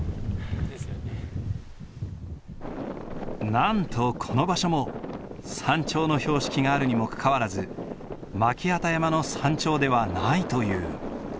なんとこの場所も山頂の標識があるにもかかわらず巻機山の山頂ではないという。